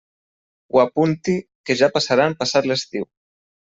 Ho apunti, que ja passaran passat l'estiu.